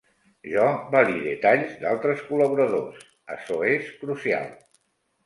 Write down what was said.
Jo valide talls d'altres col·laboradors, açò és crucial.